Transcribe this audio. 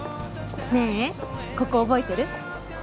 ねえここ覚えてる？